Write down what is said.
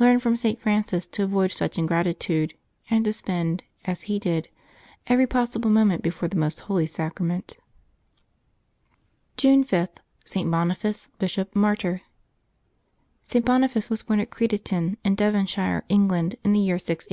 Learn from St. Francis to avoid such ingratitude, and to spend, as he did, every possible moment before the Most Holy Sacrament. 206 LIVES OF THE SAINTS [Juwe 5 June 5.— ST. BONIFACE, Bishop, Martyr. [t. Boniface was born at Crediton in Devonshire, England, in the year 680.